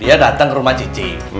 dia datang ke rumah cici